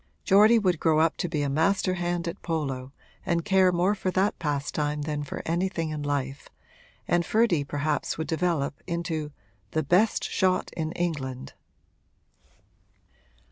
Geordie would grow up to be a master hand at polo and care more for that pastime than for anything in life, and Ferdy perhaps would develop into 'the best shot in England.'